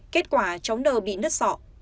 kết quả cháu n bị nứt sọ